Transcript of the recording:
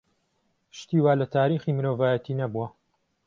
شتی وا لە تاریخی مرۆڤایەتی نەبووە.